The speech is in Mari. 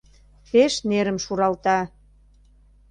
Пеш нерым шуралта.